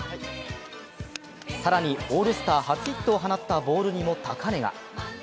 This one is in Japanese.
更にオールスター初ヒットを放ったボールにも高値が。